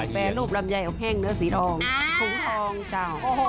แปรรูปลำไยอกแห้งเนื้อสีทองถุงทองเจ้า